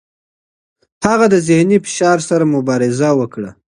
هغه د ذهني فشار سره مبارزه وکړه.